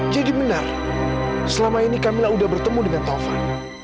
jadi benar selama ini kamilah udah bertemu dengan taufan